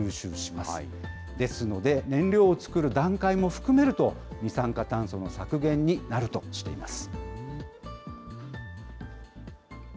ですので、燃料を作る段階も含めると、二酸化炭素の削減になるとしています。